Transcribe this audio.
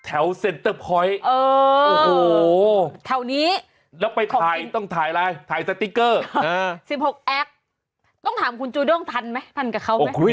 ๑๖แอคต้องถามคุณจูด้งทันไหมทันกับเขาไหม